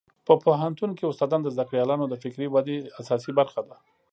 په پوهنتون کې استادان د زده کړیالانو د فکري ودې اساسي برخه ده.